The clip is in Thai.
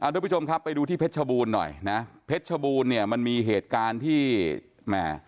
ทุกผู้ชมครับไปดูที่เพชรชบูรณ์หน่อยนะเพชรชบูรณ์เนี่ยมันมีเหตุการณ์ที่แหม่